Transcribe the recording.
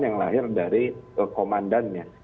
yang lahir dari komandannya